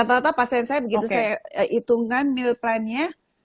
rata rata pasien saya begitu saya hitungkan meal plannya